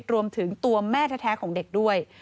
รวมถึงตัวแม่แท้ของเด็กด้วย